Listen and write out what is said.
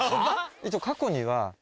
一応過去には。えぇ！